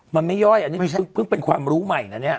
มันไม่ย่อยอันนี้เพิ่งเป็นความรู้ใหม่นะเนี่ย